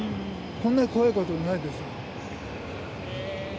こんな怖いことはないですね。